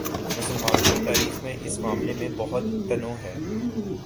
مسلمانوں کی تاریخ میں اس معاملے میں بہت تنوع ہے۔